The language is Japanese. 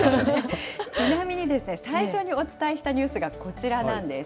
ちなみに、最初にお伝えしたニュースがこちらなんです。